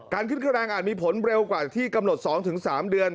การขึ้นข้าวแรงงานมีผลเร็วกว่าที่กำหนด๒๓เดือน